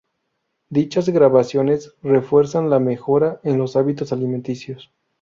Dichas grabaciones refuerzan la mejora en los hábitos alimenticios.